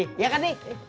iya kan di